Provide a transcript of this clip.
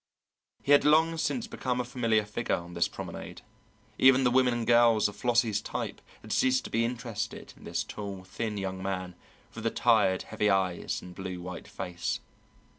He had long since become a familiar figure on this promenade. Even the women and girls of Flossie's type had ceased to be interested in this tall, thin young man with the tired, heavy eyes and blue white face.